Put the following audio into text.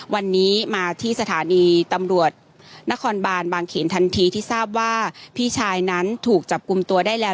วันนี้มาที่สถานีตำรวจนครบานบางเขนทันทีที่ทราบว่าพี่ชายนั้นถูกจับกลุ่มตัวได้แล้ว